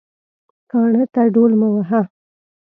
کاڼه ته ډول مه وهه